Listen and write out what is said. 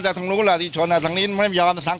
ครับ